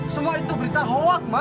semua itu berita hoak